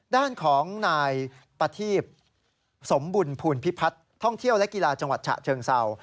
ด้านของนายประทีพสมบุญภูลพิพัฒน์ท่องเที่ยวและกีฬาจังหวัดฉะเชิงเศร้า